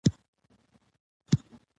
زه باید دا ګړې مطالعه کړم.